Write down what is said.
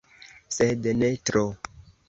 Sed ne tro.